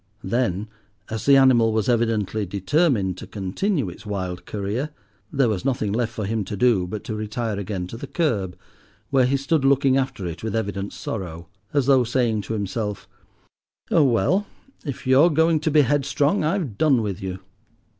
Then, as the animal was evidently determined to continue its wild career, there was nothing left for him to do but to retire again to the kerb, where he stood looking after it with evident sorrow, as though saying to himself—"Oh, well, if you are going to be headstrong I have done with you."